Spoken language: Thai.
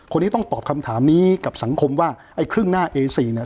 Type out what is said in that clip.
คนนี้ต้องตอบคำถามนี้กับสังคมว่าไอ้ครึ่งหน้าเอซีเนี่ย